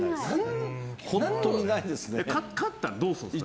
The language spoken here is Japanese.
勝ったらどうするんですか？